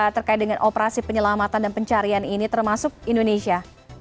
terkait dengan operasi penyelamatan dan pencarian ini termasuk indonesia